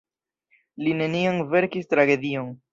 Li neniam verkis tragedion.